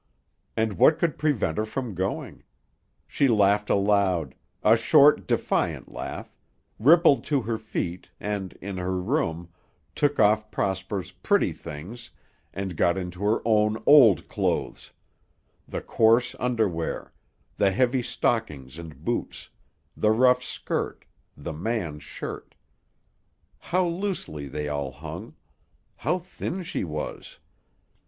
And what could prevent her from going? She laughed aloud, a short, defiant laugh, rippled to her feet, and, in her room, took off Prosper's "pretty things" and got into her own old clothes; the coarse underwear, the heavy stockings and boots, the rough skirt, the man's shirt. How loosely they all hung! How thin she was!